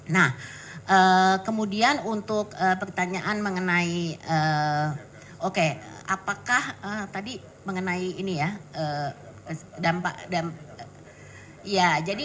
nah kemudian untuk pertanyaan mengenai oke apakah tadi mengenai ini ya